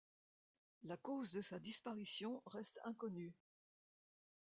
La cause de sa disparition reste inconnue.